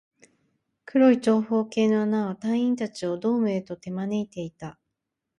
黒い長方形の穴は、隊員達をドームへと手招いていた